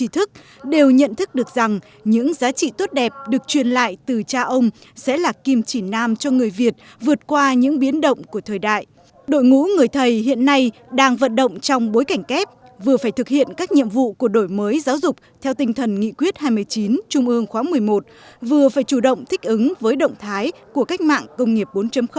tinh thần nghị quyết hai mươi chín trung ương khóa một mươi một vừa phải chủ động thích ứng với động thái của cách mạng công nghiệp bốn